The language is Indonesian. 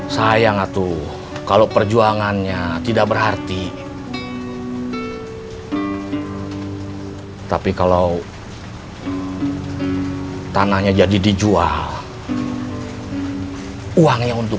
sayang itu kalau perjuangannya tidak berarti tapi kalau tanahnya jadi dijual uangnya untuk